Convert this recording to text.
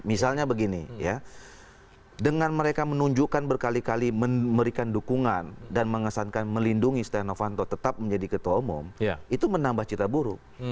misalnya begini ya dengan mereka menunjukkan berkali kali memberikan dukungan dan mengesankan melindungi setia novanto tetap menjadi ketua umum itu menambah cita buruk